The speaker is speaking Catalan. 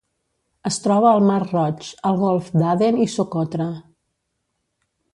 Es troba al Mar Roig, el Golf d'Aden i Socotra.